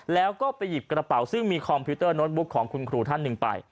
แล้วก็ไปหยิบกระเป๋าซึ่งมีคอมพิวเตอร์โน้ตบุ๊กของคุณครูท่านหนึ่งไป